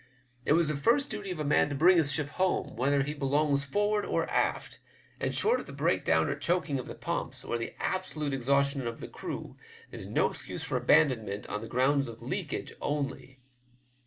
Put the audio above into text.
It is the first duty of a man to bring his ship home, whether he belongs forward or aft, and short of the breakdown or choking of the pumps, or the absolute exhaustion of the crew, there's no excuse for abandonment on the ground of leakage only.